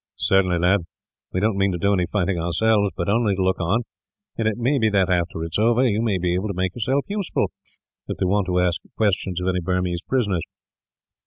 "Certainly, lad. We don't mean to do any fighting ourselves, but only to look on; and it may be that, after it is over, you may be able to make yourself useful, if they want to ask questions of any Burmese prisoners."